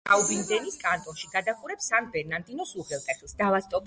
მდებარეობს გრაუბიუნდენის კანტონში; გადაჰყურებს სან-ბერნარდინოს უღელტეხილს.